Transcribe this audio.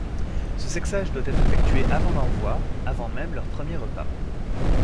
Ce sexage doit être effectué avant l'envoi, avant même leur premier repas.